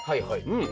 うん！